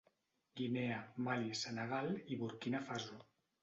Guinea, Mali, Senegal i Burkina Faso.